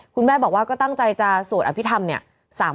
คุณแหมบอกว่าก็ตั้งใจจะสูดอภิภัมนะ